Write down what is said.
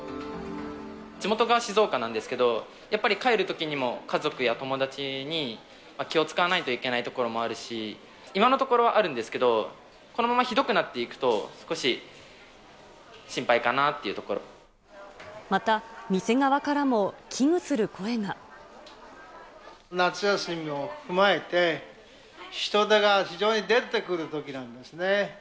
地元が静岡なんですけど、やっぱり帰るときにも、家族や友達に気を遣わないといけないところもあるし、今のところあるんですけど、このままひどくなっていくと、また、店側からも危惧する声夏休みも踏まえて、人出が非常に出てくるときなんですね。